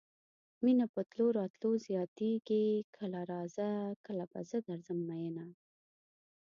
مينه په تلو راتلو زياتيږي کله راځه کله به زه درځم مينه